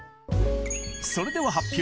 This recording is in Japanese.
それでは発表！